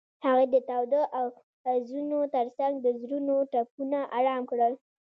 هغې د تاوده اوازونو ترڅنګ د زړونو ټپونه آرام کړل.